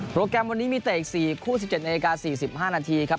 แกรมวันนี้มีเตะอีก๔คู่๑๗นาที๔๕นาทีครับ